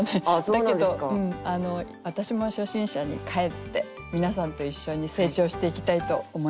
だけど私も初心者に返って皆さんと一緒に成長していきたいと思います。